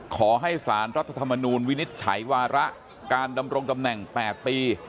ขอให้สารรัฐธรรมนูลวินิจฉัยวาระการดำรงตำแหน่ง๘ปี